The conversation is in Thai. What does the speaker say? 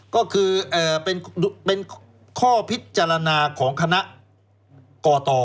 ก็คือเป็นข้อพิจารณาของคณะกต